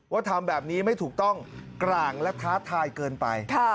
ทำแบบนี้ไม่ถูกต้องกลางและท้าทายเกินไป